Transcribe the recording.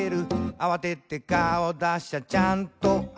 「あわてて顔だしゃちゃんとある」